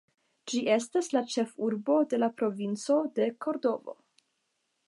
Ĝi estas la ĉefurbo de la provinco de Kordovo.